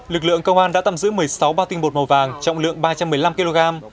lực lượng công an đã tạm giữ một mươi sáu bao tinh bột màu vàng trọng lượng ba trăm một mươi năm kg